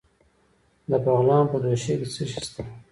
د بغلان په دوشي کې څه شی شته؟